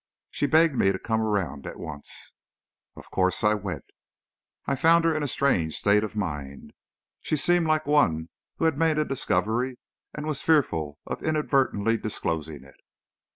She begged me to come around at once. Of course, I went. I found her in a strange state of mind. She seemed like one who had made a discovery, and was fearful of inadvertently disclosing it.